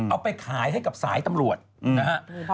เอาไปขายให้กับสายตำรวจนะครับ